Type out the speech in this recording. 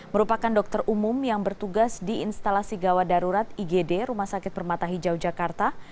merupakan dokter umum yang bertugas di instalasi gawat darurat igd rumah sakit permata hijau jakarta